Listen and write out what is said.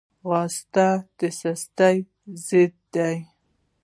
ځغاسته د سستۍ ضد ده